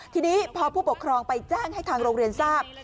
ทีนี้พอผู้ปกครองไปแจ้งให้ทางโรงเรียนทราบ